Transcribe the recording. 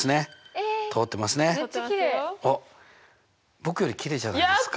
僕よりきれいじゃないですか。